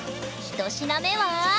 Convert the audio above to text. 一品目は！